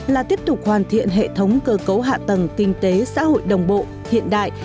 là tiếp tục hoàn thiện hệ thống cơ cấu hạ tầng kinh tế xã hội đồng bộ hiện đại